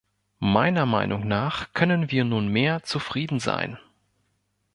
Meiner Meinung nach können wir nunmehr zufrieden sein.